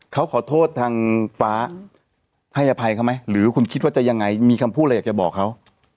เขาขอโทษทางฟ้าให้อภัยเขาไหมหรือคุณคิดว่าจะยังไงมีคำพูดอะไรอยากจะบอกเขา